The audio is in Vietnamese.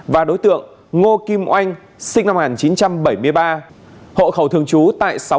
và đối tượng ngô kim oanh sinh năm một nghìn chín trăm bảy mươi ba hộ khẩu thường trú tại sáu